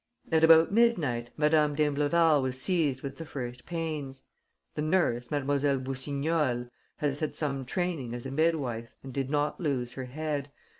At about midnight, Madame d'Imbleval was seized with the first pains. The nurse, Mlle. Boussignol, had had some training as a midwife and did not lose her head.